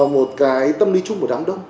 một cái tâm lý chung của đám đông